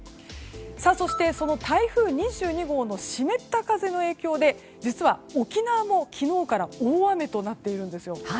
そして台風２２号の湿った風の影響で実は沖縄も昨日から大雨となっているんですよ。